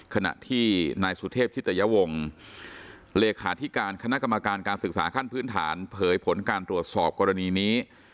ขณะที่นายสุเทพชิตยวงศ์เลขาธิการคณะกรรมการการศึกษาขั้นพื้นฐานเผยผลการตรวจสอบกรณีนี้